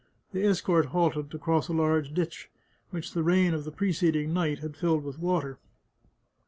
The escort halted to cross a large ditch, which the rain of the preceding night had filled with water.